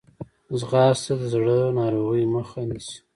ځغاسته د زړه ناروغۍ مخه نیسي